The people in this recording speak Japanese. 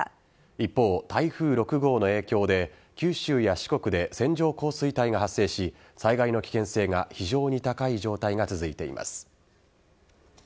一方、台風６号の影響で九州や四国で線状降水帯が発生し災害の危険性が非常に高い状態が続いています。